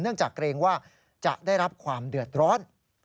จากเกรงว่าจะได้รับความเดือดร้อน